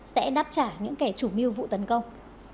sẽ đáp trả những kẻ chủ mưu vụ tấn công